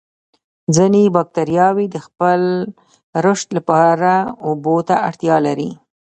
ځینې باکتریاوې د خپل رشد لپاره اوبو ته اړتیا لري.